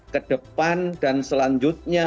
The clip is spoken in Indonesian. ke depan dan selanjutnya